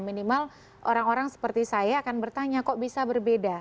minimal orang orang seperti saya akan bertanya kok bisa berbeda